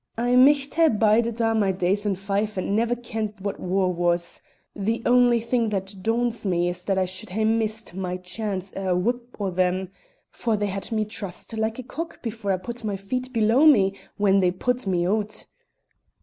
"I micht hae bided a' my days in Fife and never kent what war was. The only thing that daunts me is that I should hae missed my chance o' a whup at them, for they had me trussed like a cock before I put my feet below me when they pu'd me oot."